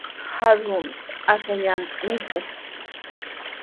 Atuqmi ashkallata mikun.